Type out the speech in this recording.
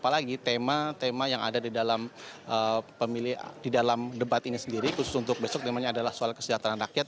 lagi tema tema yang ada di dalam debat ini sendiri khusus untuk besok adalah soal kesejahteraan rakyat